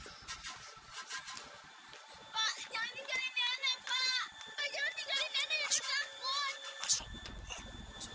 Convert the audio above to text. pak jangan tinggalin dana pak